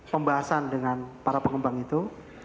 pembahasan dengan para pengembang itu